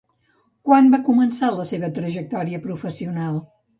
Quan va començar la seva trajectòria professional?